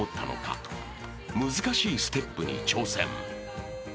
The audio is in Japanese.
［難しいステップに挑戦］